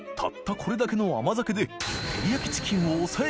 これだけの甘酒で磴